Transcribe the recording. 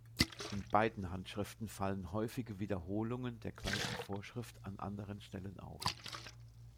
In beiden Handschriften fallen häufige Wiederholungen der gleichen Vorschrift an anderen Stellen auf.